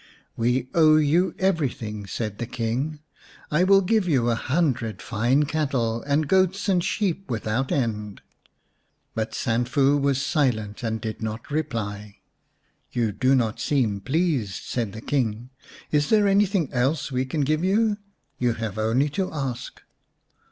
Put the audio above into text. "We owe you everything," said the King. " I will give you a hundred fine cattle, and goats and sheep without end." 248 xx The White Dove But Sanfu was silent and did not reply. " You do not seem pleased," said the King. " Is there anything else we can give you ? You have only to ask."